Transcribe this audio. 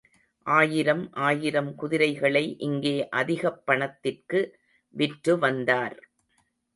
ஆயிரம் ஆயிரம் குதிரைகளை இங்கே அதிகப் பணத்திற்கு விற்றுவந்தார்.